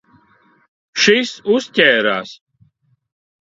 Šis uzķērās.